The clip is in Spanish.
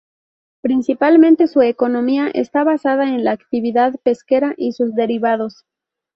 Principalmente, su economía está basada en la actividad pesquera y sus derivados.